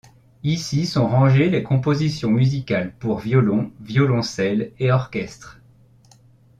Ici sont rangés les compositions musicales pour violon, violoncelle et orchestre.